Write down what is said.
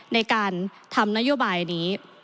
ในการทำนโยบายนี้